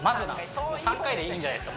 もう３回でいいんじゃないですか？